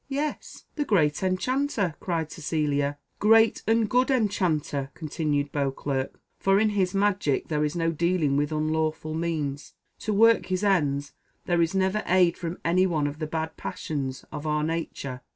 "Yes, the great Enchanter," cried Cecilia. "Great and good Enchanter," continued Beauclerc, "for in his magic there is no dealing with unlawful means. To work his ends, there is never aid from any one of the bad passions of our nature.